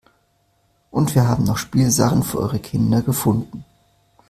Und wir haben noch Spielsachen für eure Kinder gefunden.